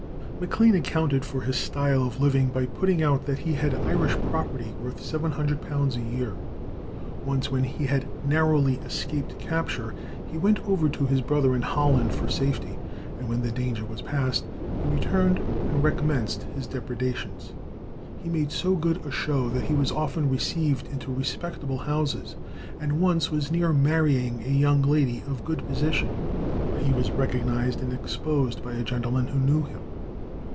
Maclane accounted for his style of living by putting out that he had Irish property worth £700 a year. Once when he had narrowly escaped capture he went over to his brother in Holland for safety, and when the danger was passed he returned and recommenced his depredations. He made so good a show that he was often received into respectable houses, and was once near marrying a young lady of good position; but he was recognized and exposed by a gentleman who knew him.